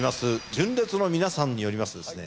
純烈の皆さんによりますですね